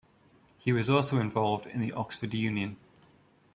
He was also involved in the Oxford Union.